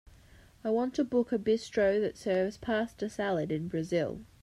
I want to book a bistro that serves pasta salad in Brazil.